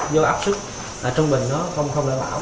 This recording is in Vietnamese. do áp sức ở trong bình nó không đảm bảo